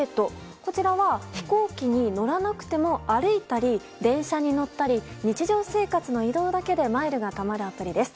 こちらは飛行機に乗らなくても歩いたり電車に乗ったり日常生活の移動だけでマイルがたまるアプリです。